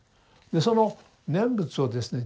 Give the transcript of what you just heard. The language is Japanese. その念仏をですね